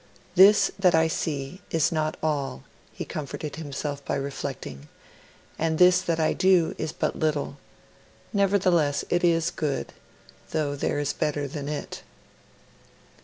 'This that I see, is not all,' he comforted himself by reflecting, 'and this that I do is but little; nevertheless it is good, though there is better than it.'